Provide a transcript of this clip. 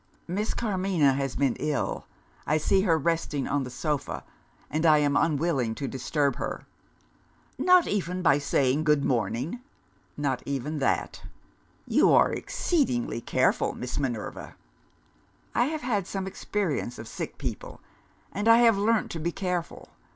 "Miss Carmina has been ill. I see her resting on the sofa and I am unwilling to disturb her." "Not even by saying good morning?" "Not even that!" "You are exceedingly careful, Miss Minerva." "I have had some experience of sick people, and I have learnt to be careful.